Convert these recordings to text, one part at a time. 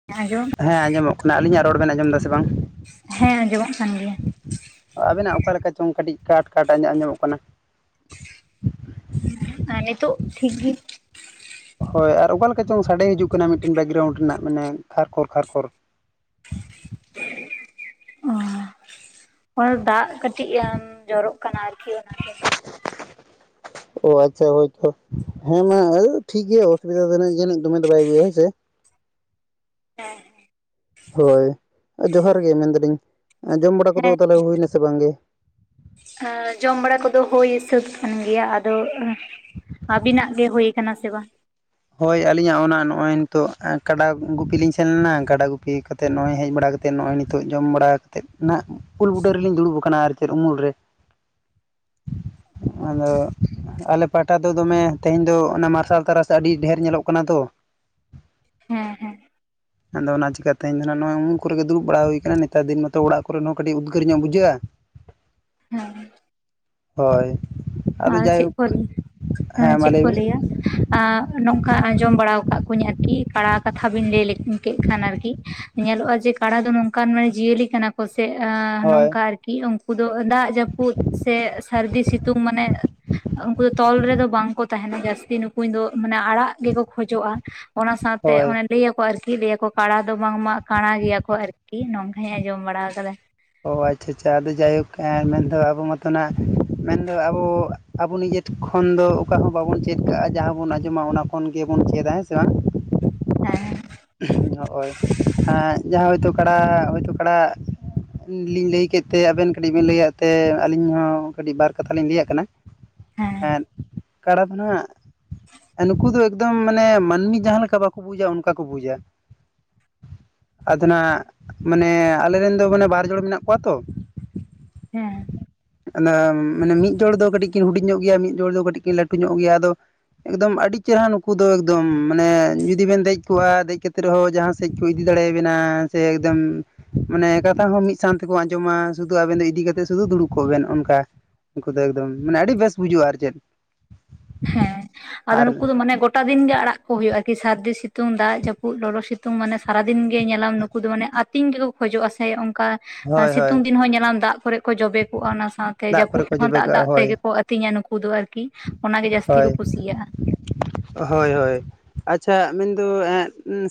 [unintelligible] ᱦᱮᱸ ᱟᱸᱡᱚᱢᱚᱜ ᱠᱟᱱᱟ, ᱟᱹᱞᱤᱧᱟᱜ ᱨᱚᱲ ᱵᱮᱱ ᱟᱸᱚᱢ ᱫᱟ ᱥᱮ ᱵᱟᱝ? ᱦᱮᱸ ᱟᱸᱡᱚᱢᱟᱜ ᱠᱟᱱ ᱜᱮᱭᱟ᱾ ᱟᱵᱮᱱᱟᱜ ᱚᱠᱟ ᱞᱮᱠᱟ ᱪᱚᱝ ᱠᱟᱹᱴᱤᱡ ᱠᱟᱴ ᱠᱟᱴ ᱟᱸᱟᱜ ᱟᱸᱡᱚᱢᱚᱜ ᱠᱟᱱᱟ᱾ ᱱᱤᱛᱚᱜ ᱴᱷᱤᱠ ᱜᱮ᱾ ᱦᱳᱭ ᱟᱨ ᱚᱠᱟᱮᱠᱟ ᱪᱚᱝ ᱥᱟᱰᱮ ᱦᱤᱡᱩᱜ ᱠᱟᱱᱟ ᱢᱤᱫᱴᱮᱱ ᱵᱮᱠᱜᱨᱟᱣᱩᱱᱰ ᱢᱟᱱᱮ ᱠᱷᱟᱨᱠᱷᱚᱨ ᱠᱷᱟᱨᱠᱷᱚᱨ᱾ ᱫᱟᱜ ᱠᱟᱹᱴᱤᱡ ᱮᱢ ᱡᱚᱨᱚᱜ ᱠᱟᱱᱟ ᱟᱨᱠᱤ ᱚᱱᱟᱛᱮ᱾ [unintelligible] ᱚ ᱟᱪᱪᱷᱟ ᱦᱳᱭᱛᱚ ᱦᱮᱸ ᱢᱟ ᱴᱷᱤᱠ ᱜᱮᱮᱭᱟ ᱚᱥᱩᱵᱤᱫᱟ ᱫᱚ ᱡᱟᱹᱱᱤᱡ ᱫᱚᱢᱮ ᱫᱚ ᱵᱟᱭ ᱟᱹᱜᱩᱭᱟ ᱦᱮᱭ ᱥᱮ᱾ ᱦᱮᱸ᱾ ᱦᱳᱭ ᱡᱚᱦᱟᱨ ᱜᱮ ᱢᱮᱱᱫᱟᱞᱤᱧ ᱡᱚᱢ ᱵᱟᱲᱟ ᱦᱮᱸ ᱠᱚᱫᱚ ᱛᱟᱦᱚᱞᱮ ᱦᱩᱭᱱᱟ ᱥᱮ ᱵᱟᱝᱜᱮ? ᱡᱚᱢ ᱵᱟᱲᱟ ᱠᱚᱫᱚ ᱦᱩᱭᱳᱭ ᱥᱟᱹᱛ ᱠᱟᱱ ᱜᱮᱭᱟ ᱟᱫᱚ ᱟᱵᱤᱱᱟᱜ ᱜᱮ ᱦᱩᱭ ᱟᱠᱟᱱᱟ ᱥᱮ ᱵᱟᱝ‍? ᱦᱳᱭ ᱟᱹᱞᱤᱧᱟᱜ ᱚᱱᱟ ᱱᱚᱜᱼᱚᱭ ᱱᱤᱛᱚᱜ ᱠᱟᱰᱟ ᱜᱩᱯᱤ ᱞᱤᱧ ᱥᱮᱱ ᱞᱮᱱᱟ ᱜᱟᱰᱟ ᱜᱩᱯᱤ ᱛᱮ ᱱᱚᱜᱼᱚᱭᱭ ᱦᱮᱡ ᱵᱟᱲᱟ ᱠᱟᱛᱮᱫ ᱱᱚᱜᱼᱚᱭ ᱱᱤᱛᱳᱜ ᱡᱚᱢ ᱵᱟᱲᱟ ᱠᱟᱛᱮᱫ ᱱᱟᱜ ᱩᱞ ᱵᱩᱴᱟᱹ ᱨᱮᱞᱤᱧᱩᱲᱩᱵ ᱟᱠᱟᱱᱟ ᱟᱨ ᱪᱮᱫ ᱩᱢᱩᱞ ᱨᱮ᱾ ᱟᱫᱚ ᱟᱞᱮ ᱯᱟᱦᱴᱟ ᱫᱚ ᱫᱚᱢᱮ ᱛᱮᱦᱮᱧ ᱫᱚ ᱚᱱᱟ ᱢᱟᱨᱥᱟᱞ ᱛᱟᱨᱟᱥ ᱟᱹᱰᱤ ᱰᱷᱮᱨ ᱧᱮᱞᱚᱜ ᱠᱟᱱᱟ ᱛᱚ᱾ ᱦᱮᱸ ᱦᱮᱸ᱾ ᱟᱫᱚ ᱚᱱᱟ ᱪᱤᱠᱟ ᱛᱮᱧ ᱛᱟᱦᱮᱱᱟ ᱱᱚᱣᱟ ᱩᱢᱩᱞ ᱠᱚᱨᱮ ᱜᱮ ᱫᱩᱲᱩᱵ ᱵᱟᱲᱟ ᱦᱩᱭ ᱠᱟᱱᱟ, ᱱᱮᱛᱟᱨ ᱫᱤᱱ ᱢᱟᱛᱚ ᱚᱲᱟᱜ ᱠᱚᱨᱮᱱ ᱦᱚᱸ ᱠᱟᱹᱴᱤᱡ ᱩᱫᱽᱜᱟᱹᱨ ᱧᱚᱜ ᱵᱩᱡᱷᱟᱹᱜ-ᱟ ᱦᱮᱸ ᱦᱳᱭ᱾ ᱟᱫᱚ ᱟᱨ ᱪᱮᱜ ᱡᱟᱭᱦᱳᱠ ᱦᱮᱸ ᱢᱟ ᱪᱮᱜ ᱞᱟᱹᱭ ᱠᱚ ᱵᱮᱱ ᱞᱟᱹᱭᱟ ᱟᱜ ᱱᱚᱝᱠᱟ ᱟᱸᱡᱚᱢ ᱵᱟᱲᱟᱣ ᱠᱟᱜ ᱠᱚᱣᱟᱧ ᱟᱨᱠᱤ ᱯᱟᱲᱟ ᱠᱟᱛᱷᱟ ᱵᱤᱱ ᱞᱟᱹᱭ ᱞᱮᱜ ᱠᱮᱜ ᱠᱷᱟᱱ ᱟᱨᱠᱤ᱾ ᱧᱮᱞᱚᱜ-ᱟ ᱡᱮ ᱠᱟᱰᱟ ᱫᱚ ᱱᱚᱝᱠᱟᱱ ᱢᱟᱱᱮ ᱡᱤᱭᱟᱹᱞᱤ ᱠᱟᱱᱟ ᱠᱚᱥᱮᱜ-ᱟ ᱦᱳᱭ ᱱᱚᱝᱠᱟ ᱟᱨᱠᱤ ᱩᱱᱠᱩ ᱫᱚ ᱫᱟᱜ ᱡᱟᱹᱯᱩᱫ ᱥᱮ ᱥᱟᱹᱨᱫᱤ ᱥᱤᱛᱩᱝ ᱢᱟᱱᱮ ᱩᱱᱠᱩ ᱫᱚ ᱛᱚᱞ ᱨᱮᱫᱚ ᱵᱟᱝ ᱠᱚ ᱛᱟᱦᱮᱱᱟ ᱡᱟᱹᱥᱛᱤ ᱱᱩᱠᱩᱧ ᱫᱚ ᱢᱟᱱᱮ ᱟᱲᱟᱜ ᱜᱮᱠᱚ ᱠᱷᱚᱡᱚᱜ-ᱟ, ᱚᱱᱟ ᱥᱟᱶᱛᱮ ᱦᱳᱭ ᱚᱱᱮ ᱞᱟᱹᱭᱟᱠᱚ ᱟᱨᱠᱤ ᱞᱟᱹᱭᱟᱠᱚ ᱠᱟᱬᱟ ᱫᱚ ᱵᱟᱝᱢᱟ ᱠᱟᱬᱟ ᱜᱮᱭᱟ ᱠᱚ ᱟᱨᱠᱤ, ᱱᱚᱝᱠᱟᱧ ᱦᱮᱸ ᱟᱸᱡᱚᱢ ᱵᱟᱲᱟᱣ ᱟᱠᱟᱫᱟ᱾ ᱚᱻ ᱟᱪᱪᱷᱟ ᱟᱪᱪᱷᱟ ᱟᱫᱚ ᱡᱟᱭᱦᱳᱠ ᱮ ᱢᱮᱱᱫᱚ ᱟᱵᱚ ᱢᱚᱛᱚᱱᱟᱜ ᱢᱮᱱᱫᱚ ᱟᱵᱚ ᱟᱵᱚ ᱱᱤᱡᱮ ᱠᱷᱚᱱ ᱫᱚ ᱚᱠᱟ ᱦᱚᱸ ᱵᱟᱵᱚᱱ ᱪᱮᱫ ᱠᱟᱜ-ᱟ ᱡᱟᱦᱟᱸ ᱵᱚᱱ ᱟᱸᱡᱚᱢᱟ ᱚᱱᱟ ᱠᱷᱚᱱ ᱜᱮᱵᱚᱱ ᱪᱮᱫᱟ ᱦᱮᱸ ᱥᱮ ᱵᱟᱝ᱾ ᱦᱮᱸ᱾ ᱱᱚᱜ-ᱚᱭ ᱡᱟᱦᱟᱸ ᱦᱚᱭᱛᱳ ᱠᱟᱲᱟ ᱦᱚᱳᱭᱛᱳ ᱠᱟᱲᱟ ᱞᱤᱧ ᱞᱟᱹᱭ ᱠᱮᱜ ᱛᱮ ᱟᱵᱮᱱ ᱠᱟᱹᱴᱤᱡ ᱵᱮᱱ ᱞᱟᱹᱭ ᱟᱜ ᱛᱮ ᱟᱹᱞᱤᱧ ᱦᱚᱸ ᱠᱟᱹᱴᱤᱡ ᱵᱟᱨ ᱠᱟᱛᱷᱟ ᱞᱤᱧ ᱞᱟᱹᱭᱟᱜ ᱠᱟᱱᱟ᱾ ᱦᱮᱸ ᱠᱟᱲᱟ ᱫᱚ ᱦᱟᱜ ᱱᱩᱠᱩ ᱫᱚ ᱮᱠᱫᱚᱢ ᱢᱟᱱᱮ ᱢᱟᱹᱱᱢᱤ ᱡᱟᱦᱟᱸ ᱞᱮᱠᱟ ᱵᱟᱠᱚ ᱵᱩᱡᱟ ᱚᱱᱠᱟ ᱠᱚ ᱵᱩᱡᱟ᱾ ᱟᱫᱚ ᱱᱟᱦᱜ ᱢᱟᱱᱮ ᱟᱞᱮ ᱨᱮᱱ ᱫᱚ ᱢᱟᱱᱮ ᱵᱟᱨ ᱡᱳᱲ ᱢᱮᱱᱟᱜ ᱠᱚᱣᱟ ᱛᱚ᱾ ᱦᱮᱸ᱾ ᱢᱟᱱᱮ ᱢᱟᱱᱮ ᱢᱤᱫ ᱡᱚᱲ ᱫᱚ ᱠᱟᱹᱴᱤᱡ ᱠᱤᱱ ᱦᱩᱰᱤᱧ ᱧᱚᱜ ᱜᱮᱭᱟ, ᱢᱤᱫ ᱡᱚᱲ ᱫᱚ ᱠᱟᱹᱴᱤᱡ ᱠᱤᱱ ᱞᱟᱹᱴᱩ ᱧᱚᱜ ᱜᱮᱭᱟ, ᱟᱫᱚ ᱮᱠᱫᱚᱢ ᱟᱹᱰᱤ ᱪᱮᱦᱨᱟ ᱱᱩᱠᱩ ᱫᱚ ᱮᱠᱫᱚᱢ ᱢᱟᱱᱮ ᱡᱩᱫᱤ ᱢᱮᱱ ᱫᱮᱡ ᱠᱚᱜᱟ ᱫᱮᱡ ᱠᱟᱛᱮᱜ ᱨᱮᱦᱚᱸ ᱡᱟᱦᱟᱸ ᱥᱮᱡ ᱠᱚ ᱤᱫᱤ ᱫᱟᱲᱮᱭᱟᱵᱤᱱᱟ ᱥᱮ ᱮᱠᱫᱚᱢ ᱢᱟᱱᱮ ᱠᱟᱛᱷᱟ ᱦᱚᱸ ᱢᱤᱫ ᱥᱟᱶ ᱛᱮᱠᱚ ᱟᱸᱡᱚᱢᱟ ᱥᱩᱫᱩ ᱟᱵᱮᱱ ᱤᱫᱤ ᱠᱟᱛᱮ ᱥᱩᱫᱩ ᱫᱩᱲᱩᱵ ᱠᱚᱜ ᱵᱮᱱ ᱚᱱᱠᱟ᱾ ᱩᱱᱠᱩ ᱫᱚ ᱮᱠᱫᱚᱢ ᱢᱟᱱᱮ ᱟᱹᱰᱤ ᱵᱮᱥ ᱵᱩᱡᱩᱜ-ᱟ ᱪᱮᱫ᱾ ᱦᱮᱸ ᱟᱫᱚ ᱟᱨ ᱱᱩᱠᱩ ᱫᱚ ᱢᱟᱱᱮ ᱜᱚᱴ ᱜᱚᱴᱟ ᱫᱤᱱ ᱜᱮ ᱟᱲᱟᱜ ᱠᱚ ᱦᱩᱭᱩᱜ-ᱟ ᱟᱨ ᱠᱤ ᱥᱟᱹᱨᱫᱤ ᱥᱤᱛᱩᱝ ᱫᱟᱜ ᱡᱟᱹᱯᱩᱫ ᱞᱚᱞᱚ ᱥᱤᱛᱩᱝ ᱢᱟᱱᱮ ᱥᱟᱨᱟᱫᱤᱱ ᱜᱮ ᱧᱮᱞᱟᱢ ᱱᱩᱠ ᱩᱱᱠᱩ ᱫᱚ ᱢᱟᱱᱮ ᱟᱹᱛᱤᱝ ᱜᱮᱠᱚ ᱠᱷᱚᱡᱚᱜ-ᱟ, ᱥᱮ ᱚᱱᱠᱟ ᱦᱳᱭ ᱦᱳᱭ ᱥᱤᱛᱩᱝ ᱫᱤᱱ ᱦᱚᱸ ᱧᱮᱞᱟᱢ ᱫᱟᱜ ᱠᱚᱨᱮ ᱠᱚ ᱡᱚᱵᱮ ᱠᱚᱜ-ᱟ᱾ ᱚᱱᱟ ᱥᱟᱶᱛᱮ ᱫᱟᱜ ᱠᱚᱨᱮ ᱡᱟᱹᱯᱩᱫ ᱨᱮ ᱠᱚ ᱦᱚᱸ ᱡᱚᱵᱮ ᱫᱟᱜ ᱠᱟᱜᱼᱟ ᱫᱟᱜ ᱛᱮ ᱦᱳᱭ ᱜᱮᱠᱚ ᱛᱤᱧᱟ, ᱱᱩᱠᱩ ᱫᱚ ᱟᱨᱠᱤ ᱚᱱᱟ ᱜᱮ ᱡᱟᱹᱥᱛᱤ ᱠᱚ ᱦᱳᱭ ᱠᱩᱥᱤᱭᱟᱜ-ᱟ᱾ ᱦᱳᱭ ᱦᱳᱭ, ᱟᱪᱪᱷᱟ ᱢᱮᱱᱫᱚ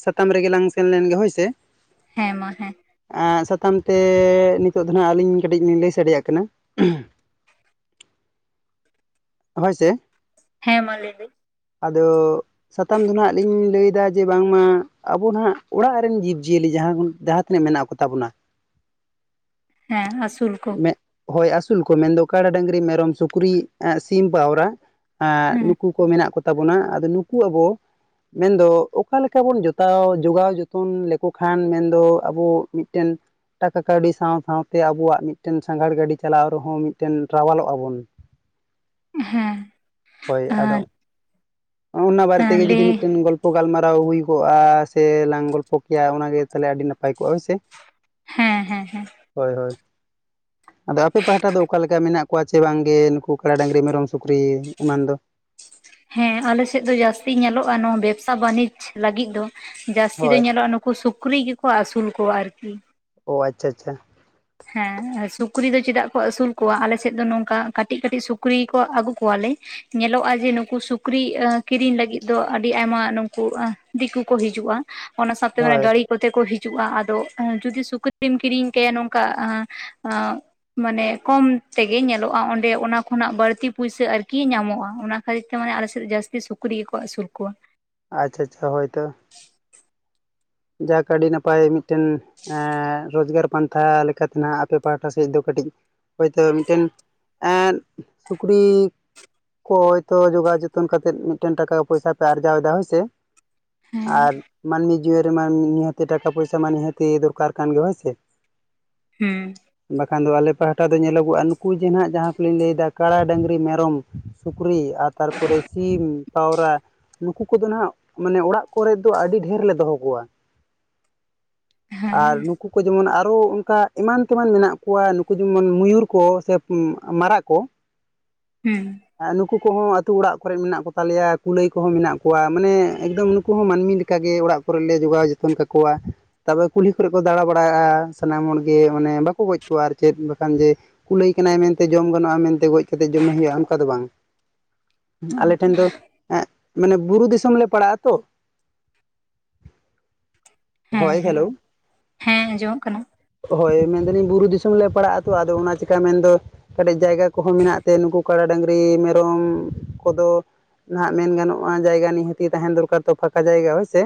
ᱥᱟᱛᱟᱢ ᱨᱮᱜᱮ ᱞᱟᱝ ᱥᱮᱱ ᱞᱮᱱ ᱜᱮ ᱦᱳᱭ ᱥᱮ᱾ ᱦᱮᱸ ᱢᱟ ᱦᱮᱸ, ᱟ ᱥᱟᱛᱟᱢ ᱛᱮ ᱱᱤᱛᱚᱜ ᱫᱚ ᱱᱟᱦᱜ ᱟᱹᱞᱤᱧ ᱠᱟᱹᱴᱤᱡ ᱞᱤᱧ ᱞᱟᱹᱭ ᱥᱟᱰᱮᱭᱟᱜ ᱠᱟᱱᱟ᱾ ᱦᱳᱭ ᱥᱮ, ᱦᱮᱸ ᱢᱟ ᱞᱟᱹᱭ ᱵᱤᱱ? ᱟᱫᱚ ᱥᱟᱛᱟᱢ ᱫᱚ ᱱᱟᱦᱜ ᱞᱤᱧ ᱞᱟᱹᱭᱫᱟ ᱡᱮ ᱵᱟᱝᱢᱟ ᱟᱵᱚ ᱱᱟᱦᱟᱸᱜ ᱚᱲᱟᱜ ᱨᱮᱱ ᱡᱤᱵᱽ-ᱡᱤᱭᱟᱹᱞᱤ ᱡᱟᱦᱟᱸ [unintelligible] ᱡᱟᱦᱟᱸ ᱛᱤᱱᱟᱹᱜ ᱢᱮᱱᱟᱜ ᱠᱚᱛᱟ ᱵᱚᱱᱟ? ᱦᱮᱸ ᱟᱹᱥᱩᱞ ᱠᱚ, ᱢᱮᱫ ᱦᱳᱭ ᱟᱹᱥᱩᱞ ᱠᱚ ᱢᱮᱱᱫᱚ ᱠᱟᱰᱟ, ᱰᱟᱹᱝᱨᱤ, ᱢᱮᱨᱚᱢ, ᱥᱩᱠᱨᱤ, ᱥᱤᱢ, ᱯᱟᱣᱨᱟ, ᱮᱜ ᱦᱮᱸ ᱱᱩᱠᱩ ᱠᱚ ᱢᱮᱱᱟᱜ ᱠᱚᱛᱟ ᱵᱚᱱᱟ᱾ ᱟᱫᱚ ᱱᱩᱠᱩ ᱟᱵᱚ ᱢᱮᱱᱫᱚ ᱚᱠᱟ ᱞᱮᱠᱟ ᱵᱚᱱ ᱡᱚᱛᱟᱣ ᱡᱚᱜᱟᱣ ᱡᱚᱛᱚᱱ ᱞᱮᱠᱚ ᱠᱷᱟᱱ ᱢᱮᱱᱫᱚ ᱟᱵᱚ ᱢᱤᱜᱴᱮᱱ ᱴᱟᱠᱟ ᱠᱟᱹᱣᱰᱤ ᱥᱟᱶ ᱥᱟᱶᱛᱮ ᱟᱵᱚᱣᱟᱜ ᱢᱤᱫᱴᱮᱱ ᱥᱟᱸᱜᱷᱟᱲ ᱜᱟᱹᱰᱤ ᱪᱟᱞᱟᱣ ᱨᱮᱦᱚᱸ ᱢᱤᱜᱴᱮᱱ ᱨᱟᱣᱟᱞᱚᱜ-ᱟ ᱵᱚᱱ᱾ ᱦᱮᱸ, ᱦᱳᱭ ᱟᱫᱚ, ᱚᱱᱟ ᱵᱟᱨᱮ ᱟᱨ ᱛᱮᱜᱮ ᱡᱩᱫᱤ ᱞᱟᱹᱭ ᱢᱤᱫᱴᱮᱱ ᱜᱚᱞᱯᱚ ᱜᱟᱞᱢᱟᱨᱟᱣ ᱦᱩᱭ ᱠᱚᱜᱼᱟ ᱥᱮ ᱞᱟᱝ ᱜᱚᱞᱯᱚ ᱠᱮᱭᱟ, ᱚᱱᱟᱜᱮ ᱛᱟᱦᱚᱞᱮ ᱟᱹᱰᱤ ᱱᱟᱯᱟᱭ ᱠᱚᱜᱼᱟ ᱦᱳᱭ ᱥᱮ᱾ ᱦᱮᱸ ᱦᱮᱸ ᱦᱮᱸ, ᱦᱳᱭ ᱦᱳᱭ, ᱟᱫᱚ ᱟᱯᱮ ᱯᱟᱦᱟᱴᱟ ᱫᱚ ᱚᱠᱟ ᱞᱮᱠᱟ ᱢᱮᱱᱟᱜ ᱠᱚᱣᱟ ᱪᱮ ᱵᱟᱝᱜᱮ, ᱱᱩᱠᱩ ᱠᱟᱲᱟ ᱰᱟᱹᱝᱨᱤ ᱢᱮᱨᱚᱢ ᱥᱩᱠᱨᱤ ᱮᱢᱟᱱ ᱫᱚ? ᱦᱮᱸ ᱟᱞᱮ ᱥᱮᱫ ᱫᱚ ᱡᱟᱹᱥᱛᱤ ᱧᱮᱞᱚᱜᱼᱟ, ᱱᱚᱣᱟ ᱵᱮᱵᱽᱥᱟ ᱵᱟᱹᱱᱤᱡᱽ ᱞᱟᱹᱜᱤᱫ ᱫᱚ ᱡᱟᱹᱥᱛᱤ ᱫᱚ ᱦᱳᱭ ᱧᱮᱞᱚᱜᱼᱟ, ᱱᱩᱠᱩ ᱥᱩᱠᱨᱤ ᱜᱮᱠᱚ ᱟᱹᱥᱩᱞ ᱠᱚᱣᱟ ᱟᱨᱠᱤ᱾ ᱚ ᱟᱪᱪᱷᱟ ᱟᱪᱪᱷᱟ, ᱦᱮᱸ ᱥᱩᱠᱨᱤ ᱫᱚ ᱪᱮᱫᱟᱜ ᱠᱚ ᱟᱹᱥᱩᱞ ᱠᱚᱣᱟ ᱟᱞᱮ ᱥᱮᱫ ᱫᱚ ᱱᱚᱝᱠᱟ ᱠᱟᱹᱴᱤᱡ ᱠᱟᱹᱴᱤᱡ ᱥᱩᱠᱨᱤ ᱠᱚ ᱟᱹᱜᱩ ᱠᱚᱣᱟ ᱞᱮ, ᱧᱮᱞᱚᱜᱼᱟ ᱡᱮ, ᱱᱩᱠᱩ ᱥᱩᱠᱨᱤ ᱠᱤᱨᱤᱧ ᱞᱟᱹᱜᱤᱫ ᱫᱚ, ᱟᱹᱰᱤ ᱟᱭᱢᱟ ᱱᱩᱠᱩ ᱫᱤᱠᱩ ᱠᱚ ᱦᱤᱡᱩᱜᱼᱟ᱾ ᱚᱱᱟ ᱥᱟᱶᱛᱮ ᱦᱳᱭ ᱜᱟᱹᱲᱤ ᱠᱚᱛᱮ ᱠᱚ ᱦᱤᱡᱩᱜᱼᱟ, ᱟᱫᱚ ᱡᱩᱫᱤ ᱥᱩᱠᱨᱤᱢ ᱠᱤᱨᱤᱧ ᱠᱟᱭᱟ ᱱᱚᱝ- ᱠᱟ [unintelligible] ᱢᱟᱱᱮ ᱠᱚᱢ ᱛᱮᱜᱮ ᱧᱮᱞᱚᱜᱼᱟ, ᱚᱸᱰᱮ ᱚᱱᱟ ᱠᱷᱚᱱᱟᱜ ᱵᱟᱹᱲᱛᱤ ᱯᱩᱭᱥᱟᱹ ᱟᱨᱠᱤ ᱧᱟᱢᱚᱜᱼᱟ᱾ ᱚᱱᱟ ᱦᱚᱭᱛᱚ ᱢᱟᱱᱮ ᱟᱞᱮ ᱥᱮᱫ ᱡᱟᱹᱥᱛᱤ ᱥᱩᱠᱨᱤ ᱜᱮᱠᱚ ᱟᱹᱥᱩᱞ ᱠᱚᱣᱟ᱾ ᱟᱪᱪᱷᱟ ᱪᱪᱪᱷᱟ ᱦᱳᱭ ᱛᱚ, ᱡᱟᱜ ᱟᱹᱰᱤ ᱱᱟᱯᱟᱭ ᱢᱤᱫᱴᱮᱱ ᱨᱳᱡᱽᱜᱟᱨ, ᱯᱟᱱᱛᱷᱟ ᱞᱮᱠᱟᱛᱮ ᱱᱟᱦᱟᱜ ᱟᱯᱮ ᱯᱟᱦᱟᱴᱟ ᱥᱮᱫ ᱫᱚ ᱠᱟᱹᱴᱤᱡ, ᱦᱚᱭᱛᱚ ᱢᱤᱫᱴᱮᱱ ᱟᱨ [unintelligible] ᱥᱩᱠᱨᱤ‌, ᱦᱚᱭᱛᱳ ᱡᱚᱜᱟᱣ ᱡᱚᱛᱚᱱ ᱠᱟᱛᱮᱫ ᱢᱤᱫᱴᱮᱱ ᱴᱟᱠᱟ ᱯᱚᱭᱥᱟ ᱯᱮ ᱟᱨᱡᱟᱣ ᱮᱫᱟ ᱦᱳᱭ ᱥᱮ᱾ ᱦᱮᱸ ᱟᱨ ᱢᱟᱹᱱᱢᱤ ᱡᱤᱣᱚᱱ ᱨᱮᱢᱟ ᱱᱤᱦᱟᱹᱛᱤ ᱴᱟᱠᱟ ᱯᱚᱭᱥᱟ ᱢᱟ ᱱᱤᱦᱟᱹᱛᱤ ᱫᱚᱨᱠᱟᱨ ᱠᱟᱱ ᱜᱮ ᱦᱳᱭ ᱥᱮ᱾ ᱦᱮᱸ [unintelligible] ᱵᱟᱠᱷᱟᱱ ᱫᱚ ᱟᱞᱮ ᱯᱟᱦᱴᱟ ᱫᱚ ᱧᱮᱞᱚᱜᱚᱜᱼᱟ ᱱᱩᱠᱩ ᱡᱮ ᱦᱟᱸᱜ ᱡᱟᱦᱟᱸ ᱠᱚᱞᱤᱧ ᱞᱟᱹᱭᱫᱟ, ᱠᱟᱲᱟ, ᱰᱟᱹᱝᱨᱤ, ᱢᱮᱨᱚᱢ, ᱥᱩᱠᱨᱤ ᱟᱨ ᱛᱟᱨᱯᱚᱨᱮ ᱥᱤᱢ ᱯᱟᱣᱨᱟ, ᱱᱩᱠᱩ ᱠᱚᱫᱚ ᱱᱟᱦᱟᱜ ᱢᱟᱱᱮ ᱚᱲᱟᱜ ᱠᱚᱨᱮ ᱫᱚ ᱟᱹᱰᱤ ᱰᱷᱮᱨ ᱞᱮ ᱫᱚᱦᱚ, ᱠᱚᱣᱟ᱾ ᱟᱨ [unintelligible] ᱱᱩᱠᱩ ᱠᱚ ᱡᱮᱢᱚᱱ ᱟᱨᱚ ᱚᱱᱠᱟ ᱮᱢᱟᱱ ᱛᱮᱢᱟᱱ ᱢᱮᱱᱟᱜ ᱠᱚᱣᱟ ᱱᱩᱠᱩ ᱡᱮᱢᱚᱱ ᱢᱚᱭᱩᱨ ᱠᱚ, ᱥᱮ ᱢᱟᱨᱟᱜ ᱠᱚ, [inaudible] ᱦᱩᱸ [unintelligible] ᱱᱩᱠᱩ ᱠᱚᱦᱚᱸ ᱟᱛᱳ ᱚᱲᱟᱜ ᱠᱚᱨᱮ ᱢᱮᱱᱟᱜ ᱠᱚᱛᱟ ᱞᱮᱭᱟ ᱠᱩᱞᱟᱹᱭ ᱠᱚᱦᱚᱸ ᱢᱮᱱᱟᱜ ᱠᱚᱣᱟ, ᱢᱟᱱᱮ ᱮᱠᱫᱚᱢ ᱱᱩᱠᱩ ᱦᱚᱸ ᱢᱟᱹᱱᱢᱤ ᱞᱮᱠᱟ ᱱᱚᱝᱠᱟ ᱜᱮ ᱚᱲᱟᱜ ᱠᱚᱨᱮ ᱞᱮ ᱡᱚᱜᱟᱣ ᱡᱚᱛᱚᱱ ᱠᱟᱠᱚᱣᱟ᱾ ᱛᱟᱯᱚᱨ ᱠᱩᱞᱦᱤ ᱠᱚᱨᱮ ᱠᱚ ᱫᱟᱬᱟ ᱵᱟᱲᱟᱭᱼᱟ, ᱥᱟᱱᱟᱢ ᱦᱚᱲ ᱜᱮ ᱢᱟᱱᱮ ᱵᱟᱠᱚ ᱜᱚᱡ ᱠᱚᱣᱟ ᱟᱨ ᱪᱮᱫ ᱵᱟᱠᱷᱟᱱ ᱡᱮ ᱡᱮ, ᱼᱼ ᱠᱩᱞᱟᱹᱭ ᱠᱟᱱᱟᱭ ᱢᱮᱱ ᱛᱮ ᱡᱚᱢ ᱜᱟᱱᱚᱜᱼᱟ ᱢᱮᱱ ᱛᱮ ᱜᱚᱡ ᱠᱟᱛᱮᱫ ᱡᱚᱢᱮ ᱦᱩᱭᱩᱜᱼᱟ ᱚᱱᱠᱟ ᱫᱚ ᱵᱟᱝ, ᱟᱞᱮ ᱴᱷᱮᱱ ᱫᱚ ᱦᱮᱸᱜ ᱢᱟᱱᱮ ᱵᱩᱨᱩ ᱫᱤᱥᱚᱢ ᱞᱮ ᱯᱟᱲᱟᱜ-ᱟ ᱛᱳ, ᱦᱮᱸ ᱦᱚᱭ ᱦᱮᱸ ᱦᱮᱞᱳ, ᱦᱮᱸ ᱟᱸᱡᱚᱢᱚᱜ ᱠᱟᱱᱟ [inaudible] ᱦᱚᱭ ᱢᱮᱱᱫᱟᱞᱤᱧ ᱵᱩᱨᱩ ᱫᱤᱥᱚᱢ ᱞᱮ ᱯᱟᱲᱟᱜ ᱟᱛᱚ ᱟᱫᱚ ᱚᱱᱟ ᱪᱤᱠᱟ ᱢᱮᱱᱫᱚᱼᱼ ᱠᱟᱴᱤᱡ ᱡᱟᱭᱜᱟ ᱠᱚᱦᱚᱸ ᱢᱮᱱᱟᱜ ᱛᱮ ᱱᱩᱠᱩ ᱠᱟᱰᱟ ᱰᱟᱝᱨᱤ ᱢᱮᱨᱚᱢ ᱠᱚᱫᱚ, ᱼᱼ ᱱᱟᱦᱟᱜ ᱢᱮᱱ ᱜᱟᱱᱚᱜᱼᱟ, ᱡᱟᱭᱜᱟ ᱱᱤᱦᱟᱹᱛᱤ ᱛᱟᱦᱮᱱ ᱫᱚᱨᱠᱟᱨ ᱛᱚ ᱯᱷᱟᱸᱠᱟ ᱡᱟᱭᱜᱟ ᱦᱳᱭᱥᱮ᱾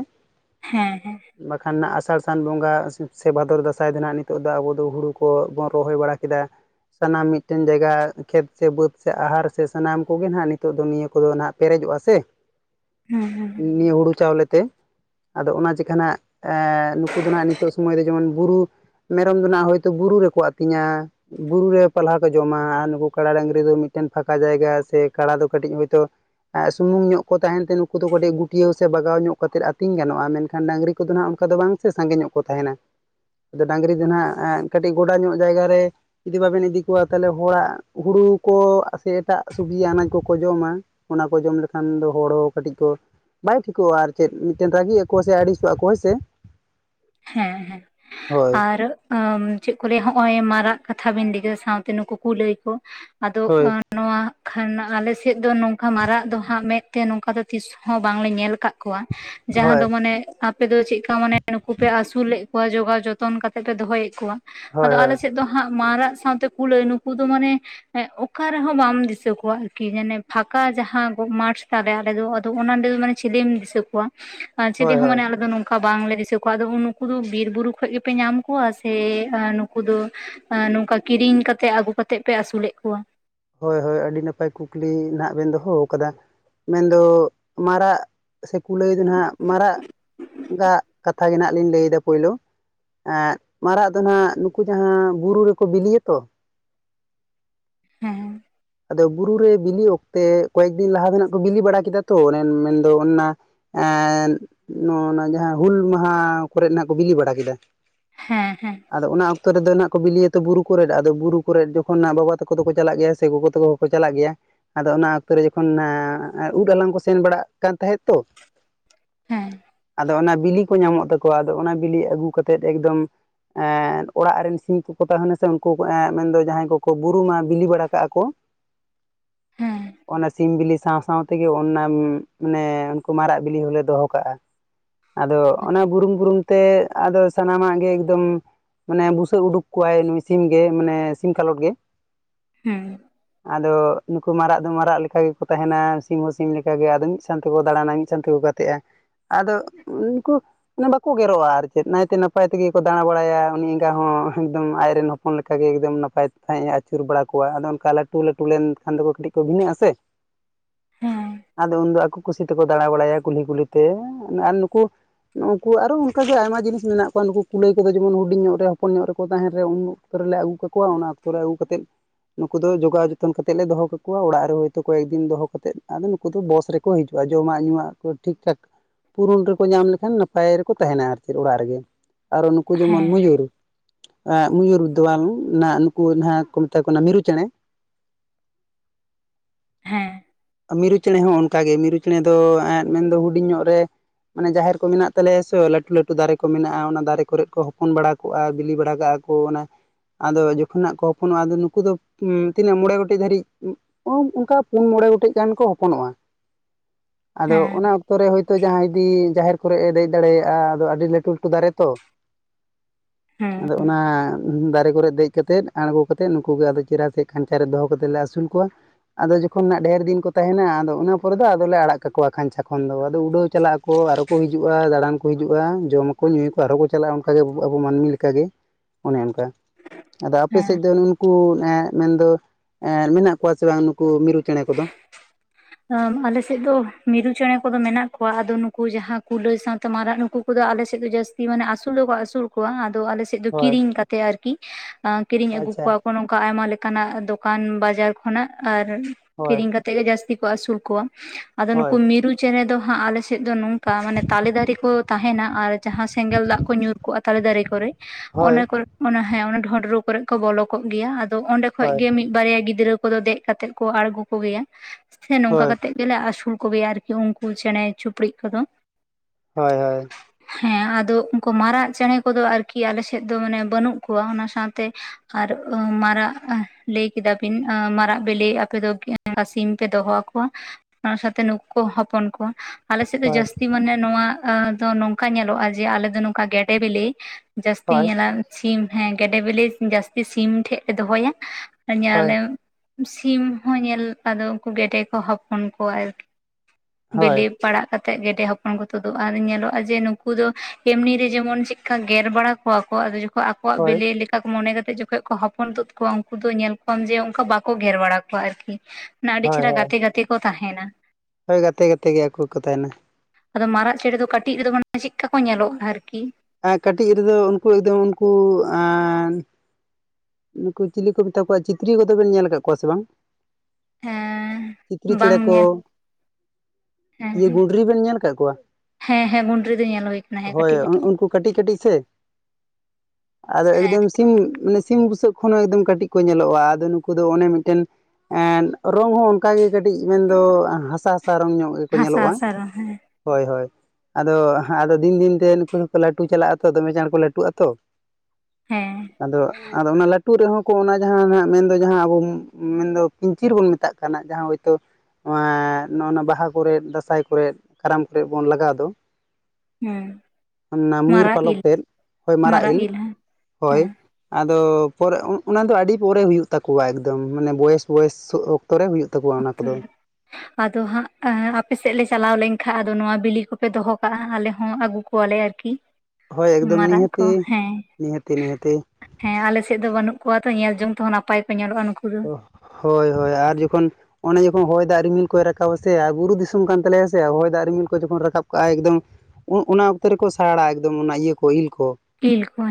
ᱦᱮᱸ ᱦᱮᱸ, ᱵᱟᱠᱷᱟᱱ ᱱᱟᱜ ᱟᱥᱟᱲ ᱥᱟᱱ ᱵᱚᱸᱜᱟ ᱥᱮ ᱵᱷᱟᱫᱚᱨ ᱫᱟᱸᱥᱟᱭ ᱫᱚ ᱦᱟᱸᱜ ᱱᱤᱛᱚᱜ ᱫᱚ ᱟᱵᱚ ᱫᱚ ᱦᱩᱲᱩ ᱠᱚ ᱵᱚᱱ ᱨᱚᱦᱚᱭ ᱵᱟᱲᱟ ᱠᱮᱫᱟ᱾ ᱥᱟᱱᱟᱢ ᱢᱤᱫᱴᱮᱱ ᱡᱟᱭᱜᱟ ᱠᱷᱮᱛ ᱥᱮ ᱵᱟᱹᱫᱽ ᱥᱮ ᱟᱦᱟᱨ ᱥᱮ ᱥᱟᱱᱟᱢ ᱠᱚᱜᱮ ᱱᱟᱦᱟᱜ ᱱᱤᱛᱚᱜ ᱫᱚ ᱱᱤᱭᱟᱹ ᱠᱚᱫᱚ ᱱᱟᱦᱟᱜ ᱼᱼ ᱯᱮᱨᱮᱡᱚᱜᱼᱟ ᱥᱮ, ᱦᱮᱸ ᱦᱮᱸ [unintelligible] ᱱᱤᱭᱟᱹ ᱦᱩᱲᱩ ᱪᱟᱣᱞᱮ ᱛᱮ ᱟᱫᱚ ᱚᱱᱟ ᱪᱮᱠᱟ ᱱᱟᱜ ᱮᱸ ᱱᱩᱠᱩ ᱫᱚ ᱱᱷᱟᱜ ᱱᱤᱛᱚᱜ ᱥᱚᱢᱚᱭ ᱨᱮ ᱡᱮᱢᱚᱱ ᱵᱩᱨᱩ ᱼᱼ ᱢᱮᱨᱚᱢ ᱫᱚ ᱱᱟᱜ ᱦᱳᱭᱛᱳ ᱵᱩᱨᱩ ᱨᱮᱠᱚ ᱟᱛᱤᱧᱟ᱾ ᱵᱩᱨᱩ ᱨᱮ ᱯᱟᱞᱦᱟ ᱠᱚ ᱡᱚᱢᱟ ᱟᱨ ᱱᱩᱠᱩ ᱠᱟᱲᱟ ᱰᱟᱝᱨᱤ ᱫᱚ ᱢᱤᱫᱴᱮᱱ ᱯᱷᱟᱸᱠᱟ ᱡᱟᱭᱜᱟ ᱥᱮ ᱠᱟᱲᱟ ᱫᱚ ᱠᱟᱹᱴᱤᱡ ᱦᱳᱭᱛᱳ, ᱥᱩᱢᱩᱝ ᱧᱚᱜ ᱠᱚ ᱛᱟᱦᱮᱱ ᱛᱮ ᱱᱩᱠᱩ ᱫᱚ ᱠᱟᱴᱤᱡ ᱜᱩᱴᱤᱭᱟᱹᱣ ᱥᱮ ᱵᱟᱜᱟᱣ ᱧᱚᱜ ᱠᱟᱛᱮᱫ ᱼᱼ᱾ ᱟᱹᱛᱤᱧ ᱜᱟᱱᱚᱜ-ᱟ᱾ ᱢᱮᱱᱠᱷᱟᱱ ᱰᱟᱹᱝᱨᱤ ᱠᱚᱫᱚ ᱱᱷᱟᱜ ᱚᱱᱠᱟ ᱫᱚ ᱵᱟᱝ ᱥᱮ ᱥᱟᱜᱮ ᱧᱚᱜ ᱠᱚ ᱛᱟᱦᱮᱱᱟ᱾ ᱟᱫᱚ ᱰᱟᱹᱝᱨᱤ ᱫᱚ ᱱᱷᱟᱜ ᱠᱟᱹᱴᱤᱡ ᱜᱚᱰᱟ ᱧᱚᱜ ᱡᱟᱭᱜᱟ ᱨᱮ ᱡᱩᱫᱤ ᱵᱟᱵᱮᱱ ᱤᱫᱤ ᱠᱚᱣᱟ ᱛᱟᱦᱞᱮ ᱦᱚᱲᱟᱜ ᱦᱩᱲᱩ ᱠᱚ ᱥᱮ ᱮᱴᱟᱜ ᱥᱩᱵᱽᱡᱤ, ᱟᱱᱟᱡᱽ ᱠᱚᱠᱚ ᱡᱚᱢᱟ᱾ ᱚᱱᱟ ᱠᱚ ᱡᱚᱢ ᱞᱮᱠᱷᱟᱱ ᱫᱚ ᱦᱚᱲ ᱦᱚᱸ ᱠᱟᱹᱴᱤᱡ ᱠᱚ ᱵᱟᱭ ᱴᱷᱤᱠᱚᱜ-ᱟ ᱟᱨ ᱪᱮᱫ ᱨᱟᱹᱜᱤ ᱟᱠᱚ ᱥᱮ ᱟᱹᱲᱤᱥᱚᱜ-ᱟ ᱠᱚ ᱦᱳᱭ ᱥᱮ᱾ ᱦᱮᱸ ᱦᱮᱸ ᱦᱳᱭ ᱟᱨ ᱟᱸᱢ ᱪᱮᱜ ᱠᱚ ᱞᱟᱹᱭ ᱦᱚᱜ-ᱚᱭ ᱢᱟᱨᱟᱜ ᱠᱟᱛᱷᱟ ᱵᱤᱱ ᱞᱟᱹᱭ ᱠᱮᱫᱟ ᱥᱟᱶᱛᱮ ᱱᱩᱠᱩ ᱠᱩᱞᱟᱹᱭ ᱠᱚ ᱟᱫᱚ ᱦᱳᱭ ᱱᱚᱣᱟ ᱠᱷᱟᱱ ᱟᱞᱮ ᱥᱮᱫ ᱫᱚ ᱱᱚᱝᱠᱟ ᱢᱟᱨᱟᱜ ᱫᱚ ᱦᱟᱸᱜ ᱢᱮᱸᱫ ᱛᱮ ᱱᱚᱝᱠᱟ ᱫᱚ ᱛᱤᱥ ᱦᱚᱸ ᱵᱟᱝᱞᱮ ᱧᱮᱞ ᱠᱟᱜ ᱠᱚᱣᱟ᱾ ᱡᱟᱦᱟᱸ ᱦᱳᱭ ᱫᱚ ᱢᱟᱱᱮ ᱟᱯᱮ ᱫᱚ ᱪᱮᱜ ᱠᱟ ᱢᱟᱱᱮ ᱱᱩ- ᱠᱩ ᱯᱮ ᱟᱥᱩᱞᱮᱜ ᱠᱚᱣᱟ ᱡᱚᱜᱟᱣ ᱡᱚᱛᱚᱱ ᱠᱟᱛᱮ ᱯᱮ ᱫᱚᱦᱚᱭ ᱮᱫ ᱠᱚᱣᱟ ᱟᱫᱚ ᱦᱳᱭ ᱦᱳᱭ ᱟᱞᱮ ᱥᱮᱫ ᱫᱚ ᱦᱟᱸᱜ ᱢᱟᱨᱟᱜ ᱥᱟᱶᱛᱮ ᱠᱩᱞᱟᱹᱭ ᱱᱩᱠᱩ ᱫᱚ ᱢᱟᱱᱮ ᱚᱠᱟ ᱨᱮᱦᱚᱸ ᱵᱟᱢ ᱫᱤᱥᱟᱹ ᱠᱚᱣᱟ ᱠᱤ ᱡᱟᱱᱮ ᱯᱷᱟᱸᱠᱟ ᱡᱟᱦᱟᱸ ᱢᱟᱴᱷ ᱛᱟᱞᱮ ᱟᱞᱮ ᱫᱚ ᱟᱫᱚ ᱚᱱᱟ ᱰᱟ. ᱞ ᱢᱟᱱᱮ ᱪᱮᱞᱮᱢ ᱫᱤᱥᱟᱹ ᱠᱚᱣᱟ, ᱟᱨ ᱪᱮᱞᱮ ᱦᱳᱭ ᱦᱚᱸ ᱦᱳᱭ ᱢᱟᱱᱮ ᱟᱞᱮ ᱫᱚ ᱱᱚᱝᱠᱟ ᱵᱟᱝᱞᱮ ᱫᱤᱥᱟᱹ ᱟᱫᱚ ᱩᱱᱠᱩ ᱫᱚ ᱵᱤᱨ-ᱵᱩᱨᱩ ᱠᱷᱚᱡ ᱜᱮᱯᱮ ᱧᱟᱢ ᱠᱚᱣᱟ ᱥᱮ ᱱᱩᱠᱩ ᱫᱚ ᱱᱚᱝᱠᱟ ᱠᱤᱨᱤᱧ ᱠᱟᱛᱮᱜ ᱟᱜᱩ ᱠᱟᱛᱮᱜ ᱯᱮ ᱟᱥᱩᱞᱮᱜ ᱠᱚᱣᱟ᱾ ᱦᱳᱭ ᱦᱳᱭ ᱟᱹᱰᱤ ᱱᱟᱯᱟᱭ ᱠᱩᱠᱞᱤ ᱱᱟᱦᱟᱜ ᱵᱮᱱ ᱫᱚᱦᱚ ᱠᱟᱫᱟ, ᱢᱮᱱ ᱫᱚ ᱢᱟᱨᱟᱜ ᱥᱮ ᱠᱩᱞᱟᱹᱭ ᱫᱚ ᱱᱟᱦᱟᱜ ᱢᱟᱨᱟᱜ ᱜᱟᱜ ᱠᱟᱛᱷᱟ ᱜᱮ ᱱᱟᱜ ᱞᱤᱧ ᱞᱟᱹᱭ ᱫᱟ ᱯᱳᱭᱞᱳ ᱮᱸᱜ ᱢᱟᱨᱟᱜ ᱫᱚ ᱱᱟᱦᱟᱜ ᱱᱩᱠᱩ ᱡᱟᱦᱟᱸ ᱵᱩᱨᱩ ᱨᱮᱠᱚ ᱵᱤᱞᱤᱭᱮ ᱛᱚ᱾ ᱦᱮᱸ ᱟᱫᱚ ᱵᱩᱨᱩ ᱨᱮ ᱵᱤᱞᱤ ᱚᱠᱛᱮ ᱠᱚᱭᱮᱠ ᱫᱤᱱ ᱞᱟᱦᱟ ᱨᱮ ᱱᱟᱦᱟᱜ ᱠᱚ ᱵᱤᱞᱤ ᱵᱟᱲᱟ ᱠᱮᱫᱟ ᱛᱚ ᱢᱮᱱ ᱫᱚ ᱚᱱᱟ ᱮᱸ ᱱᱚ-ᱱᱟ ᱡᱟᱦᱟᱸ ᱦᱩᱞ ᱢᱟᱦᱟ ᱠᱚᱨᱮᱫ ᱱᱟᱜ ᱠᱚ ᱵᱤᱞᱤ ᱵᱟᱲᱟ ᱠᱮᱫᱟ᱾ ᱦᱮᱸ ᱦᱮᱸ ᱟᱫᱚ ᱚᱱᱟ ᱚᱠᱛᱚ ᱨᱮᱫᱚ ᱱᱟᱜ ᱠᱚ ᱵᱤᱞᱤᱭᱟ ᱛᱚ ᱵᱩᱨᱩ ᱠᱚᱨᱮᱫ ᱟᱫᱚ ᱵᱩᱨᱩ ᱠᱚᱨᱮᱫ ᱡᱚᱠᱷᱚᱱ ᱟᱫᱚ ᱵᱟᱵᱟ ᱛᱟᱠᱚ ᱠᱚ ᱫᱚᱠᱚ ᱪᱟᱞᱟᱜ ᱜᱮᱭᱟ ᱥᱮ ᱜᱚᱜᱚ ᱛᱟᱠᱚ ᱦᱚᱸ ᱠᱚ ᱪᱟᱞᱟᱜ ᱜᱮᱭᱟ᱾ ᱟᱫᱚ ᱚᱱᱟ ᱚᱠᱛᱚ ᱨᱮ ᱡᱚᱠᱷᱚᱱ-ᱟ, ᱩᱫ ᱦᱟᱞᱟᱝ ᱠᱚ ᱥᱮᱱ ᱵᱟᱲᱟᱜ ᱠᱟᱱ ᱛᱟᱦᱮᱸᱫ ᱛᱚ ᱦᱮᱸ ᱟᱫᱚ ᱚᱱᱟ ᱵᱤᱞᱤ ᱠᱚ ᱧᱟᱢᱚᱜ ᱛᱟᱠᱚᱣᱟ ᱟᱫᱚ ᱚᱱᱟ ᱵᱤᱞᱤ ᱟᱹᱜᱩ ᱠᱟᱛᱮᱫ ᱮᱠᱫᱚᱢ ᱮᱸ ᱚᱲᱟᱜ ᱨᱮᱱ ᱥᱤᱢ ᱠᱚᱠᱚ ᱛᱟᱦᱮᱱᱟ ᱥᱮ ᱩᱱᱠᱩ ᱮᱸ ᱢᱮᱱᱫᱚ ᱡᱟᱦᱟᱸᱭ ᱠᱚᱠᱚ ᱵᱩ- ᱨᱩᱢᱟ ᱵᱤᱞᱤ ᱵᱟᱲᱟ ᱠᱟᱜ-ᱟ ᱠᱚ, ᱦᱮᱸ ᱚᱱᱟ ᱥᱤᱢ ᱵᱤᱞᱤ ᱥᱟᱶ ᱥᱟᱶ ᱛᱮᱜᱮ ᱚᱱᱟ ᱢᱟᱱᱮ ᱩᱱᱠᱩ ᱢᱟᱨᱟᱜ ᱵᱤᱞᱤ ᱦᱚᱞᱮ ᱫᱚᱦᱚ ᱠᱟᱜ-ᱟ᱾ ᱟᱫᱚ ᱚᱱᱟ ᱵᱩᱨᱩᱢ ᱵᱩᱨᱩᱢ ᱛᱮ ᱟᱫᱚ ᱥᱟᱱᱟᱢ ᱟᱜ ᱜᱮ ᱮᱠᱫᱚᱢ ᱢᱟᱱᱮ ᱵᱩᱥᱟ. ᱜ ᱩᱰᱩᱠ ᱠᱚᱣᱟᱭ ᱱᱩᱭ ᱥᱤᱢ ᱜᱮ ᱢᱟᱱᱮ ᱥᱤᱢ ᱠᱟᱞᱚᱴ ᱜᱮ᱾ ᱦᱮᱸ ᱟᱫᱚ ᱱᱩᱠᱩ ᱢᱟᱨᱟᱜ ᱫᱚ ᱢᱟᱨᱟᱜ ᱞᱮᱠᱟ ᱜᱮᱠᱚ ᱛᱟᱦᱮᱱᱟ ᱥᱤᱢ ᱦᱚᱸ ᱞᱮᱠᱟ ᱜᱮ ᱟᱫᱚ ᱢᱤᱫ ᱥᱟᱶ ᱛᱮᱠᱚ ᱫᱟᱬᱟᱱᱟ᱾ ᱪᱟᱱ ᱛᱮᱠᱚ ᱜᱟᱛᱮᱜ-ᱟ, ᱟᱫᱚ ᱩᱱᱠᱩ ᱢᱮ ᱵᱟᱠᱚ ᱜᱮᱨᱚᱜ-ᱟ ᱟᱨ ᱪᱮᱫ ᱱᱟᱭᱛᱮ ᱱᱟᱯᱟᱭ ᱛᱮᱜᱮ ᱠᱚ ᱫᱟᱬᱟ ᱵᱟᱲᱟᱭᱟ ᱩᱱᱤ ᱮᱸᱜᱟ ᱦᱚᱸ ᱮᱠᱫᱚᱢ ᱟᱡᱨᱮᱱ ᱦᱚ- ᱯᱚᱱ ᱞᱮᱠᱟᱜᱮ ᱮᱠᱫᱚᱢ ᱱᱟᱯᱟᱭ ᱛᱟᱦᱮᱸᱜ ᱟᱹᱪᱩᱨ ᱵᱟᱲᱟ ᱠᱚᱣᱟ ᱟᱫᱚ ᱚᱱᱠᱟ ᱞᱟᱹᱴᱩ ᱞᱟᱹᱴᱩ ᱞᱮᱱᱠᱷᱟᱱ ᱫᱚ ᱠᱟᱹᱴᱤᱡ ᱠᱚ ᱵᱷᱤᱱᱟᱹᱜ-ᱟ ᱥᱮ᱾ ᱦᱮᱸ ᱟᱫᱚ ᱩᱱᱫᱚ ᱟᱠᱚ ᱠᱩᱥᱤ ᱛᱮᱠᱚ ᱫᱟᱬᱟ ᱵᱟᱲᱟᱭᱟ ᱠᱩᱞᱦᱤ ᱠᱩᱞᱦᱤ ᱛᱮ ᱟᱨ ᱱᱩᱠᱩ ᱱᱩᱜᱩᱠᱩ ᱟᱨᱚ ᱚᱱᱠᱟ ᱜᱮ ᱟᱭᱢᱟ ᱡᱤᱱᱤᱥ ᱢᱮᱱᱟᱜ ᱠᱚᱣᱟ ᱱᱩᱠᱩ ᱠᱩᱞᱟᱹᱭ ᱠᱚᱫᱚ ᱡᱮᱢᱚᱱ ᱦᱩᱰᱤᱧ ᱧᱚᱜ ᱨᱮ ᱦᱚᱯᱚᱱ ᱧᱚᱜ ᱨᱮᱠᱚ ᱛᱟᱦᱮᱱ ᱨᱮ ᱩᱱ ᱚᱠᱛᱚ ᱨᱮᱞᱮ ᱟᱹᱜᱩ ᱠᱟ-ᱠᱚᱣᱟ ᱚᱱᱟ ᱚᱠᱛᱚ ᱨᱮ ᱟᱹᱜᱩ ᱠᱟᱛᱮᱫ ᱱᱩᱠᱩ ᱫᱚ ᱡᱚᱜᱟᱣ ᱡᱚᱛᱚᱱ ᱠᱟᱛᱮᱞᱮ ᱫᱚᱦᱚ ᱠᱟ-ᱠᱚᱣᱟ ᱚᱲᱟᱜ ᱨᱮ ᱦᱳᱭ ᱛᱳ ᱠᱚᱭᱮᱠ ᱫᱤᱱ ᱫᱚᱦᱚ ᱠᱟᱛᱮ ᱟᱫᱚ ᱱᱩᱠᱩ ᱫᱚ ᱵᱚᱥ ᱨᱮ ᱠᱚ ᱦᱤᱡᱩᱜ-ᱟ ᱡᱚᱢᱟᱜ ᱧᱩᱣᱟᱜ ᱠᱚ ᱴᱷᱤᱠ ᱴᱷᱟᱠ ᱯᱩᱨᱩᱱ ᱨᱮᱠᱚ ᱧᱟᱢ ᱞᱮᱠᱷᱟᱱ ᱱᱟᱯᱟᱭ ᱨᱮᱠᱚ ᱛᱟᱦᱮᱱᱟ ᱟᱨ ᱪᱮᱫ ᱚᱲᱟᱜ ᱨᱮᱜᱮ᱾ ᱟᱨᱚ ᱱᱩᱠᱩ ᱡᱮᱢᱚᱱ ᱦᱮᱸ ᱢᱚᱭᱩᱨ ᱮ ᱢᱚᱭᱩᱨ [unintelligible] ᱱᱟ ᱱᱩᱠᱩ ᱱᱟᱦᱟᱜ ᱠᱚ ᱢᱮᱛᱟ ᱠᱚ ᱠᱟᱱᱟ ᱢᱤᱨᱩ ᱪᱮᱸᱬᱮ, ᱦᱮᱸ, ᱢᱤᱨᱩ ᱪᱮᱬᱮ ᱦᱚᱸ ᱚᱱᱠᱟᱜᱮ ᱢᱤᱨᱩ ᱪᱮᱸᱬᱮ ᱫᱚ ᱮᱸᱜ ᱢᱮᱱᱫᱚ ᱦᱩᱰᱤᱧ ᱧᱚᱜ ᱨᱮ ᱢᱟᱱᱮ ᱡᱟᱦᱮᱨ ᱠᱚ ᱢᱮᱱᱟᱜ ᱛᱟᱞᱮᱭᱟ ᱥᱮ ᱞᱟᱹᱴᱩ ᱞᱟᱹᱴᱩ ᱫᱟᱨᱮ ᱠᱚ ᱢᱮᱱᱟᱜᱼᱟ ᱚᱱᱟ ᱫᱟᱨᱮ ᱠᱚᱨᱮ ᱠᱚ ᱦᱚᱯᱚᱱ ᱵᱟᱲᱟ ᱠᱚᱜᱼᱟ ᱵᱤᱞᱤ ᱵᱟᱲᱟ ᱠᱟᱜᱼᱟ ᱠᱚ ᱚᱱᱟ ᱟᱫᱚ ᱡᱚᱠᱷᱚᱱᱱᱟᱜ ᱠᱚ ᱦᱚᱯᱚᱱᱚᱜᱼᱟᱫᱚ ᱱᱩᱠᱩ ᱫᱚ ᱛᱤᱱᱟᱹᱜ ᱢᱚᱬᱮ ᱜᱚᱴᱮᱡ ᱫᱷᱟᱹᱨᱤᱡ, ᱚᱱᱠᱟ ᱯᱩᱱ ᱢᱚᱬᱮᱸ ᱜᱚᱴᱮᱡ, ᱪᱟᱱ ᱠᱚ ᱦᱚᱯᱚᱱᱚᱜᱼᱟ᱾ ᱟᱫᱚ ᱦᱮᱸ ᱚᱱᱟ ᱚᱠᱛᱚ ᱨᱮ ᱦᱚᱳᱭᱛᱳ ᱡᱟᱦᱟᱸᱭ ᱡᱩᱫᱤ ᱡᱟᱦᱮᱨ ᱠᱚᱨᱮ ᱮ ᱫᱮᱡ ᱫᱟᱲᱮᱭᱟᱜᱼᱟ ᱟᱫᱚ ᱟᱹᱰᱤ ᱞᱟᱹᱴᱩ ᱞᱟᱹᱴᱩ ᱫᱟᱨᱮ ᱛᱚ ᱦᱮᱸ ᱟᱫᱚ ᱚᱱᱟ ᱫᱟᱨᱮ ᱠᱚᱨᱜ ᱫᱮᱡ ᱠᱟᱛᱮᱫ ᱟᱬᱜᱚ ᱠᱟᱛᱮᱫ ᱱᱩᱠᱩ ᱟᱫᱚ ᱪᱮᱦᱨᱟ ᱥᱮᱮᱫ ᱠᱷᱧᱪᱟ ᱨᱮ ᱫᱚᱦᱚ ᱠᱟᱛᱮᱫ ᱞᱮ ᱟᱹᱥᱩᱞ ᱠᱚᱣᱟ᱾ ᱟᱫᱚ ᱡᱚᱠᱷᱚᱱ ᱰᱷᱮᱨ ᱫᱤᱱ ᱠᱚ ᱛᱟᱦᱮᱸᱱᱟ ᱟᱫᱚ ᱚᱱᱟ ᱯᱚᱨᱮ ᱫᱚ ᱟᱫᱚᱞᱮ ᱟᱲᱟᱜ ᱠᱟᱠᱚᱣᱟ ᱠᱷᱟᱧᱪᱟ ᱠᱷᱚᱱ ᱫᱚ ᱟᱫᱚ ᱩᱰᱟᱹᱣ ᱪᱟᱞᱟᱜ ᱟᱠᱚ ᱟᱨᱚ ᱠᱚ ᱦᱤᱡᱩᱜᱼᱟ ᱫᱟᱬᱟᱱ ᱠᱚ ᱦᱤᱡᱩᱜᱼᱟ ᱡᱚᱢᱟᱠᱚ ᱧᱩᱭᱭᱟᱠᱚ ᱟᱨᱦᱚᱸ ᱠᱚ ᱪᱟᱞᱟᱜᱼᱟ ᱚᱱᱠᱟᱜᱮ ᱟᱵᱚ ᱢᱟᱹᱱᱢᱤ ᱞᱮᱠᱟᱜᱮ ᱚᱱᱮ ᱚᱱᱠᱟ᱾ ᱟᱫᱚ ᱟᱯᱮ ᱦᱮᱸ ᱥᱮᱫ ᱫᱚ ᱱᱩᱜ ᱱᱩᱠᱩᱜ ᱢᱮᱱᱫᱚ ᱮᱸᱜ ᱢᱮᱱᱟᱜ ᱠᱚᱣᱟ ᱥᱮ ᱵᱟᱝ ᱱᱩᱠᱩ ᱢᱤᱨᱩ ᱪᱮᱬᱮ ᱠᱚᱫᱚ? ᱟᱞᱮ ᱥᱮᱫ ᱫᱚ ᱢᱤᱨᱩ ᱪᱮᱸᱬᱮ ᱠᱚᱫᱚ ᱢᱮᱱᱟᱜ ᱠᱚᱣᱟ ᱟᱫᱚ ᱱᱩᱠᱩ ᱡᱟᱦᱟᱸ ᱠᱩᱞᱟᱹᱭ ᱥᱟᱶᱛᱮ ᱢᱟᱨᱟᱜ ᱱᱩᱠᱩ ᱩᱱᱠᱩ ᱫᱚ ᱟᱞᱮ ᱥᱮᱫ ᱫᱚ ᱡᱟᱹᱥᱛᱤ ᱢᱟᱱᱮ ᱟᱥᱩᱞ ᱫᱚ ᱟᱹᱥᱩᱞ ᱠᱚᱣᱟ ᱟᱞᱮ ᱥᱮ ᱮᱫ ᱦᱳᱭ ᱠᱤᱨᱤᱧ ᱠᱟᱛᱮ ᱟᱨᱠᱤ ᱠᱤᱨᱤᱧ ᱟᱹᱜᱩ ᱟᱪᱪᱷᱟ ᱠᱚᱣᱟ ᱠᱚ ᱱᱚᱝᱠᱟ ᱟᱭᱢᱟᱱᱟᱜ ᱞᱮᱠᱟᱱᱟᱜ ᱫᱚᱠ ᱠᱟᱱ ᱵᱟᱡᱟᱨ ᱠᱷᱚᱱᱟᱜ ᱟᱨ ᱦᱳᱭ ᱠᱤᱨᱤᱧ ᱠᱟᱛᱮ ᱜᱮ ᱡᱥᱛᱤ ᱠᱚ ᱟᱹᱥᱩᱞ ᱠᱚᱣᱟ᱾ ᱟᱫᱚ ᱦᱳᱭ ᱱᱩᱠᱩ ᱢᱤᱨᱩ ᱪᱮᱬᱮ ᱫᱚ ᱦᱟᱸᱜ ᱟᱞᱮᱮᱥᱮᱫ ᱫᱚ ᱱᱚᱝᱠᱟ ᱢᱟᱱᱮ ᱛᱟᱞᱮ ᱫᱟᱨᱮ ᱠᱚ ᱛᱟᱦᱮᱱᱟ ᱟᱨ ᱡᱟᱦᱟᱸ ᱥᱮᱸᱜᱮᱞ ᱫᱟᱜ ᱠᱚ ᱧᱩᱨ ᱠᱚᱜᱼᱟ ᱛᱟᱞᱮ ᱫᱟᱨᱮ ᱠᱚᱨᱮ ᱦᱳᱭ ᱚᱱᱮ ᱠᱚᱨᱮ ᱦᱮᱸ ᱰᱷᱚᱸᱰᱨᱩ ᱵᱚᱞᱚ ᱠᱚᱜ ᱜᱮᱭᱟ, ᱟᱫᱚ ᱚᱸᱰᱮ ᱠᱷᱟᱢ ᱦᱳᱭ ᱜᱮ ᱢᱤᱫ ᱵᱟᱨᱭᱟ ᱜᱤᱫᱽᱨᱟᱹ ᱠᱚᱫᱚ ᱫᱮᱡ ᱠᱟᱛᱮᱫ ᱠᱚ ᱟᱬᱜᱚ ᱠᱚᱜᱮᱭᱟ ᱥᱮ ᱱᱚᱝᱠᱟ ᱦᱳᱭ ᱠᱟᱛᱮᱫ ᱜᱮᱞᱮ ᱟᱹᱥᱩᱞ ᱠᱚᱜᱮᱭᱟ ᱟᱨᱠᱤ ᱩᱱᱠᱩ ᱪᱮᱸᱬᱮ ᱪᱤᱯᱲᱩ ᱠᱚᱫᱚ᱾ ᱦᱳᱭ, ᱦᱳᱭ, ᱦᱮᱸ ᱟᱫᱚ ᱩᱱᱠᱩ ᱢᱟᱨᱟᱜ ᱪᱮᱸᱬᱮ ᱠᱚᱫᱚ ᱟᱨᱠᱤ ᱟᱞᱮ ᱥᱮᱫ ᱫᱚ ᱢᱟᱱᱮ ᱵᱟᱹᱱᱩᱜ ᱠᱚᱣᱟ ᱚᱱᱟ ᱥᱟᱶᱛᱮ ᱟᱨ ᱢᱟᱨᱟᱜ ᱞᱟᱹᱭ ᱠᱮᱫᱟᱵᱤᱱ ᱢᱟᱨᱟᱜ ᱵᱤᱞᱤ ᱟᱯᱮ ᱫᱚ [unintelligible] ᱥᱤᱢ ᱯᱮ ᱫᱚᱦᱚᱚᱣᱟ ᱚᱱᱟ ᱥᱟᱶᱛᱮ ᱱᱩᱠᱩ ᱠᱚ ᱦᱚᱯᱚᱱ ᱠᱚᱣᱟ ᱟᱞᱮ ᱥᱮᱫ ᱫᱚ ᱦᱳᱭ ᱡᱟᱹᱥᱛᱤ ᱢᱟᱱᱮ ᱱᱚᱣᱟ ᱫᱚ ᱱᱚᱝᱠᱟ ᱧᱮᱞᱚᱜᱼᱟ ᱡᱮ ᱟᱞᱮ ᱫᱚ ᱱᱚᱝᱠᱟ ᱜᱮᱰᱮ ᱵᱤᱞᱤ ᱡᱟᱹᱥᱛᱤ ᱦᱳᱭ ᱦᱳᱭ ᱧᱮᱞᱟ ᱥᱤᱢ ᱦᱮᱸ ᱜᱮᱰᱮ ᱵᱮᱤᱞᱤ ᱡᱟᱹᱥᱛᱤ ᱥᱤᱢ ᱴᱷᱮᱱ ᱞᱮ ᱫᱚᱦᱚᱭᱟ ᱟᱨ ᱦᱳᱭ ᱧᱮ ᱥᱤᱢ ᱦᱚᱸ ᱧᱮᱞ ᱟᱫᱚ ᱩᱱᱠᱩ ᱜᱮᱰᱮ ᱠᱚ ᱦᱚᱯᱚᱱ ᱠᱚᱣᱟ ᱟᱨᱠᱤ ᱵᱤᱞᱤ ᱯᱟᱲᱟᱜ ᱠᱟᱛᱮᱫ ᱜᱮᱰᱮ ᱦᱚᱯᱚᱱ ᱠᱚ ᱛᱩᱫᱩᱜᱼᱟ, ᱧᱮᱞᱚᱜᱼᱟ ᱡᱮ ᱱᱩᱠᱩ ᱫᱚ ᱮᱢᱱᱤ ᱨᱮ ᱡᱮᱢᱚᱱ ᱪᱮᱫᱠᱟ ᱜᱮᱨ ᱵᱟᱲᱟ ᱠᱚ ᱟᱠᱚᱣᱟᱜ ᱟᱫᱚ ᱟᱠᱚᱣᱟᱜ ᱦᱳᱭ ᱵᱮᱞᱮ ᱢᱚᱱᱮ ᱠᱟᱛᱮᱜ ᱡᱚᱠᱷᱚᱡ ᱠᱚ ᱦᱚᱯᱚᱱ ᱛᱩᱫ ᱠᱚᱣᱟ ᱩᱱᱠᱩ ᱫᱚ ᱧᱮᱞ ᱠᱚᱣᱟᱢ ᱡᱮ ᱚᱱᱠᱟ ᱵᱟᱠᱚ ᱜᱮᱨ ᱵᱟᱲᱟ ᱠᱚᱣᱟ ᱟᱨᱠᱤ᱾ ᱚᱱᱟ ᱟᱹᱰᱤ ᱦᱳᱭ ᱪᱮᱦᱨᱟ ᱦᱳᱭ ᱜᱟᱛᱮ ᱜᱟᱛᱮ ᱠᱚ ᱛᱟᱦᱮᱸᱱᱟ᱾ ᱦᱳᱭ, ᱜᱟᱛᱮ ᱜᱟᱛᱮ ᱜᱮ ᱟᱠᱚᱠᱚ ᱛᱟᱦᱮᱸᱱᱟ ᱟᱫᱚ ᱢᱟᱨᱟᱜ ᱪᱮᱸᱬᱮ ᱫᱚ ᱠᱟᱹᱴᱤᱡ ᱨᱮᱫᱚ ᱢᱟᱱᱮ ᱪᱤᱫᱠᱟ ᱠᱚ ᱧᱮᱞᱚᱜᱼᱟ ᱟᱨᱠᱤ? ᱠᱟᱹᱴᱤᱡ ᱨᱮᱫᱚ ᱩᱱᱠᱩ ᱮᱠᱫᱚᱢ ᱩᱱᱠᱩ ᱟᱸᱻ ᱱᱩᱠᱩ ᱪᱤᱞᱤ ᱠᱚ ᱢᱮᱛᱟ ᱠᱚᱣᱟ ᱪᱤᱛᱨᱤ ᱠᱚᱫᱚᱵᱮᱱ ᱧᱮᱞ ᱟᱠᱟᱫ ᱠᱚᱣᱟ ᱥᱮ ᱵᱟᱝ? ᱦᱮᱸ ᱪᱤᱛᱨᱤ ᱵᱟᱝ ᱪᱮᱸᱬᱮᱸ ᱠᱚ, ᱧᱮᱞ ᱦᱮᱸ ᱤᱭᱟᱹ ᱦᱮᱸ ᱜᱩᱸᱰᱨᱤ ᱵᱮᱱ ᱧᱮᱞ ᱠᱟᱜ ᱠᱚᱣᱟ? ᱦᱮᱸ ᱦᱮᱸ ᱜᱩᱸᱰᱨᱤ ᱫᱚ ᱧᱮᱞ ᱦᱩᱭ ᱟᱠᱟᱱᱟ ᱦᱮᱸ ᱦᱳᱭ ᱠᱟᱹᱴᱤᱡ ᱩᱱᱠᱩ ᱠᱟᱹᱴᱤᱡ ᱠᱟᱹᱴᱤᱡ ᱥᱮ ᱟᱫᱚ ᱦᱮᱸ ᱮᱠᱫᱚᱢ ᱥᱤᱢ ᱢᱟᱱᱮ ᱥᱤᱢ ᱵᱩᱥᱟᱹᱜ ᱠᱷᱚᱱᱟᱜ ᱦᱚᱸ ᱮᱠᱫᱚᱢ ᱠᱟᱹᱴᱤᱡ ᱠᱚ ᱧᱮᱞᱚᱜᱼᱟ᱾ ᱟᱫᱚ ᱱᱩᱠᱩ ᱫᱚ ᱚᱱᱮ ᱢᱤᱫᱴᱮᱱ ᱮᱸᱱ ᱨᱚᱝ ᱦᱚᱸ ᱚᱱᱠᱟᱜᱮ ᱠᱟᱹᱴᱤᱡ ᱢᱮᱱᱫᱚ ᱦᱟᱸᱥᱟ ᱦᱟᱥᱟ ᱦᱟᱥᱟ ᱨᱚᱝ ᱧᱚᱜ ᱜᱮᱠᱚ ᱦᱟᱥᱟ ᱧᱮᱞᱚᱜᱼᱟ᱾ ᱦᱟᱥᱟ ᱨᱚᱝ ᱦᱮᱸ ᱦᱳᱭ, ᱦᱳᱭ, ᱟᱫᱚ, ᱟᱫᱚ ᱫᱤᱱ ᱫᱤᱱ ᱛᱮ ᱱᱩᱠᱩ ᱫᱚᱠᱚ ᱞᱟᱹᱴᱩ ᱪᱟᱞᱟᱜ ᱟᱛᱚ ᱫᱚᱢᱮ ᱪᱟᱬ ᱠᱚ ᱞᱟᱹᱴᱩᱜ ᱟᱛᱚ, ᱦᱮᱸ ᱟᱫᱚ ᱚᱱᱟ ᱞᱟᱹᱴᱩ ᱨᱮᱦᱚᱸ ᱠᱚ ᱚᱱᱟ ᱡᱟᱦᱟᱸ ᱚᱱᱟ ᱢᱮᱱᱫᱚ ᱡᱟᱦᱟᱸ ᱟᱵᱚ ᱢᱮᱱᱫᱚ ᱯᱤᱧᱪᱤᱨ ᱵᱚᱱ ᱢᱮᱛᱟᱜ ᱠᱟᱱᱟ ᱡᱟᱦᱟᱸ ᱦᱳᱭᱛᱳ ᱱᱚᱣᱟ ᱱᱚᱜᱼᱚ ᱱᱟ ᱵᱟᱦᱟ ᱠᱚᱨᱮ, ᱫᱟᱸᱥᱟᱭ ᱠᱚᱨᱮ, ᱠᱟᱨᱟᱢ ᱠᱚᱨᱮ ᱵᱚᱱ ᱞᱟᱜᱟᱣ ᱫᱚ ᱾ ᱦᱮᱸ ᱚᱱᱟ ᱢᱚᱭᱩᱨ ᱢᱟᱨᱟᱜ ᱯᱟᱞᱚᱠ ᱤᱞ ᱛᱮᱫ, ᱦᱳᱭ ᱢᱟᱨᱟᱜ ᱤᱞ ᱦᱳᱭ ᱦᱮᱸ ᱾ ᱟᱫᱚ ᱯᱚᱨᱮ ᱚᱱᱟ ᱫᱚ ᱟᱹᱰᱤ ᱯᱚᱨᱮ ᱦᱩᱭᱩᱜ ᱛᱟᱠᱚᱣᱟ ᱮᱠᱫᱚᱢ ᱢᱟᱱᱮ ᱵᱚᱭᱮᱥ ᱵᱚᱭᱮᱥ ᱚᱠᱛᱚ ᱨᱮ ᱦᱩᱭᱩᱜ ᱛᱟᱠᱚᱣᱟ ᱚᱱᱟ ᱚᱠᱛᱚ ᱠᱚᱫᱚ ᱫᱚ ᱾ ᱟᱫᱚ ᱦᱟᱸᱜ ᱟᱯᱮ ᱥᱮᱫ ᱞᱮ ᱪᱟᱞᱟᱣ ᱞᱮᱱᱠᱷᱟᱡ ᱟᱫᱚ ᱱᱚᱣᱟ ᱵᱤᱞᱤ ᱠᱚᱯᱮ ᱫᱚᱦᱚ ᱠᱟᱜᱼᱟ ᱟᱞᱮ ᱦᱚᱸ ᱟᱹᱜᱩ ᱠᱚᱣᱟᱞᱮ ᱟᱨᱠᱤ ᱦᱳᱭ ᱮᱠᱫᱚᱢ ᱢᱟᱨᱟᱜ ᱠᱚ ᱱᱤᱦᱟᱹᱛᱤ ᱦᱮᱸ ᱱᱤᱦᱟᱹᱛᱤ ᱱᱤᱦᱟᱹᱛᱤ ᱾ ᱦᱮᱸ ᱟᱞᱮᱥᱮᱫ ᱫᱚ ᱵᱟᱹᱱᱩᱜ ᱠᱚᱣᱟ ᱛᱚ ᱧᱮᱞ ᱡᱚᱝ ᱛᱮᱦᱚᱸ ᱱᱟᱯᱟᱭ ᱠᱚ ᱧᱮᱞᱚᱜᱼᱟ ᱱᱩᱠᱩ ᱫᱚ ᱾ ᱦᱳᱭ ᱦᱳᱭ ᱟᱨ ᱡᱚᱠᱷᱚᱱ ᱚᱱᱮ ᱡᱚᱠᱷᱚᱱ ᱦᱚᱭ ᱫᱟᱜ ᱨᱤᱢᱤᱞ ᱠᱚᱭ ᱨᱟᱠᱟᱵᱟ ᱥᱮ ᱟᱨ ᱵᱩᱨᱩ ᱫᱤᱥᱚᱢ ᱠᱟᱱ ᱛᱟᱞᱮᱭᱟ ᱥᱮ ᱦᱚᱭ ᱫᱟᱜ ᱨᱤᱢᱤᱞ ᱠᱚ ᱡᱚᱠᱷᱚᱱ ᱨᱟᱠᱟᱵ ᱠᱟᱜᱼᱟᱭ ᱮᱠᱫᱚᱢ ᱚᱱ-ᱚᱱᱟ ᱚᱠᱛᱮ ᱨᱮᱠᱚ ᱥᱟᱲᱟ ᱮᱠᱫᱚᱢ ᱚᱱᱟ ᱤᱭᱟᱹ ᱠᱚ ᱤᱞ ᱠᱚ ᱾ ᱤᱞ ᱠᱚ ᱦᱮᱸ ᱾